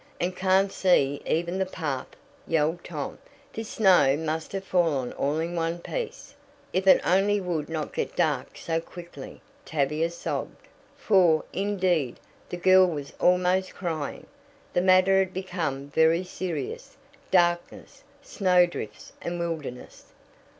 "And can't see even the path," yelled Tom, "This snow must have fallen all in one piece." "If it only would not get dark so quickly," Tavia sobbed, for, indeed, the girl was almost crying the matter had become very serious darkness, snowdrifts and wilderness.